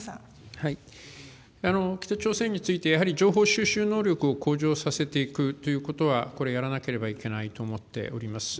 北朝鮮について、やはり情報収集能力を向上させていくということはこれ、やらなければいけないと思っております。